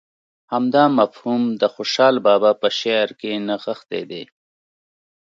همدا مفهوم د خوشحال بابا په شعر کې نغښتی دی.